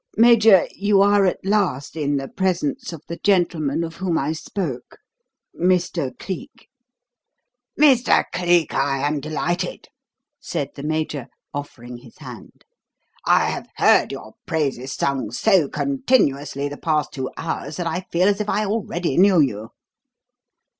Major, you are at last in the presence of the gentleman of whom I spoke Mr. Cleek." "Mr. Cleek, I am delighted," said the Major, offering his hand. "I have heard your praises sung so continuously the past two hours that I feel as if I already knew you."